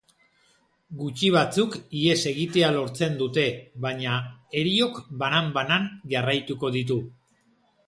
Gutxi batzuk ihes egitea lortzen dute, baina heriok banan banan jarraituko ditu.